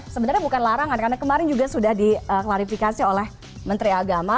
sebenarnya bukan larangan karena kemarin juga sudah diklarifikasi oleh menteri agama